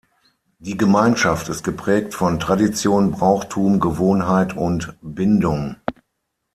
Die Gemeinschaft ist geprägt von Tradition, Brauchtum, Gewohnheit und Bindung.